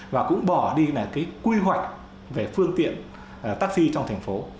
và cũng bỏ đi là cái quy hoạch về phương tiện taxi trong thành phố